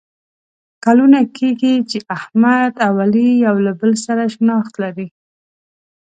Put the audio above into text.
کلونه کېږي چې احمد او علي یو له بل سره شناخت لري.